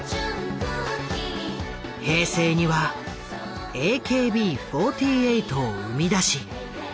平成にはＡＫＢ４８を生み出し。